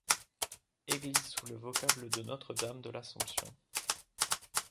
Église sous le vocable de Notre-Dame de l'Assomption.